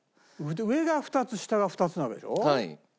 上が２つ下が２つなわけでしょ？